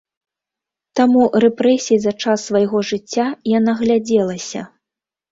Таму рэпрэсій за час свайго жыцця я наглядзелася.